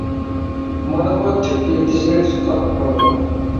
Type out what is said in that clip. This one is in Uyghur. مانا بۇ تۈپ يىلتىزىنى تۇتقانلىق بولىدۇ.